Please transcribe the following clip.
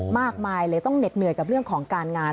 มากมายเลยต้องเหน็ดเหนื่อยกับเรื่องของการงาน